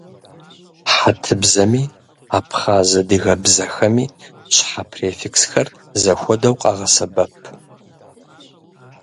Хьэтыбзэми абхъаз-адыгэ бзэхэми щхьэ префиксхэр зэхуэдэу къагъэсэбэп.